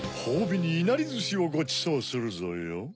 ほうびにいなりずしをごちそうするぞよ。